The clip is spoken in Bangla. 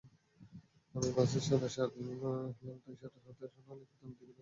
আমি বসের সাদা শার্ট, লাল টাই, শার্টের হাতের সোনালি বোতামের দিকে অলক্ষে তাকাই।